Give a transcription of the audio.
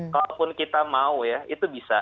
kalau pun kita mau ya itu bisa